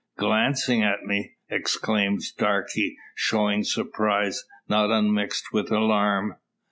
"Glancing at me?" exclaims Darke, showing surprise, not unmixed with alarm.